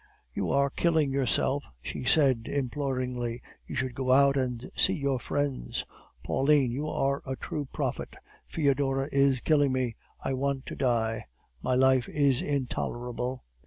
"'You are killing yourself,' she said imploringly; 'you should go out and see your friends ' "'Pauline, you were a true prophet; Foedora is killing me, I want to die. My life is intolerable.